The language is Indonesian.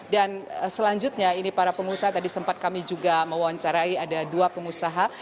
dan selanjutnya ini para pengusaha tadi sempat kami juga mewawancarai ada dua pengusaha